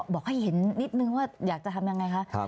บอกให้เห็นนิดนึงว่าอยากจะทำยังไงคะ